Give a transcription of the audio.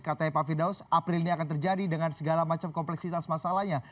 katanya pak firdaus april ini akan terjadi dengan segala macam kompleksitas masalahnya